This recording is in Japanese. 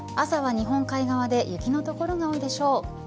朝は日本海側で雪の所が多いでしょう。